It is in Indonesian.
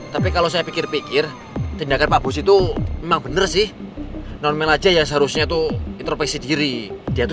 tapi kalau saya pikir pikir tindakan pak bos itu emang bener sih normal aja ya seharusnya itu dia itu